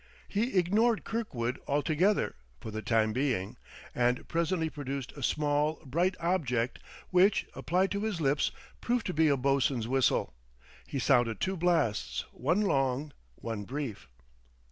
He ignored Kirkwood altogether, for the time being, and presently produced a small, bright object, which, applied to his lips, proved to be a boatswain's whistle. He sounded two blasts, one long, one brief.